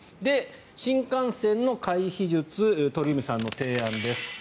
新幹線の回避術鳥海さんの提案です。